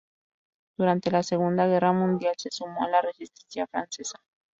Durante la Segunda Guerra Mundial, se sumó a la Resistencia francesa.